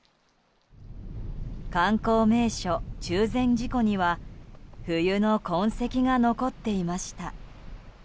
観光名所・中禅寺湖には冬の痕跡が残っていました。